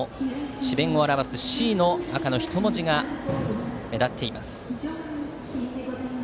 今日も智弁を表すＣの赤の人文字が目立っています。